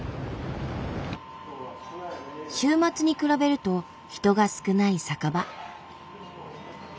週末に比べると人が少ない酒場。